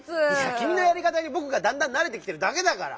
きみのやりかたにぼくがだんだんなれてきてるだけだから！